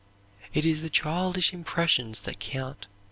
"It is the childish impressions that count.